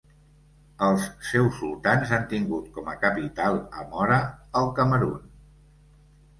Els seus sultans han tingut com a capital a Mora al Camerun.